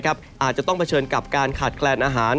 อาจจะต้องเผชิญกับการขาดแคลนอาหาร